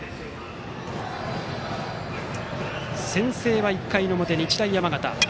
先制は１回の表、日大山形。